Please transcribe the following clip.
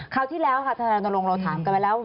คราวที่แล้วค่ะธนาลงเราถามกันไปแล้ว